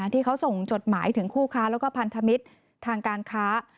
ที่เขาส่งจดหมายถึงคู่ค้าแล้วก็พันธมิตรทางการค้า